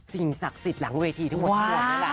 สิ่งศักดิ์สิทธิ์หลังเวทีทั้งหมดส่วน